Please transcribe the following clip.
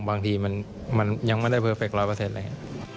บางทีมันยังไม่ได้เพอร์เฟค๑๐๐เลย